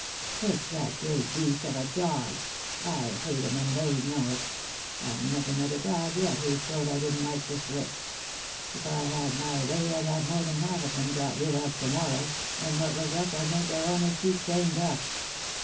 " It's that great beast of a dog. I hate 'em, and they know it I never met a dog yet whose throat I wouldn't like to slit. If I had my way I'd have more than half of them got rid of to morrow, and what was left I'd make their owners keep chained up.